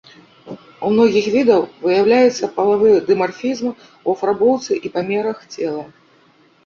У многіх відаў выяўляецца палавы дымарфізм у афарбоўцы і памерах цела.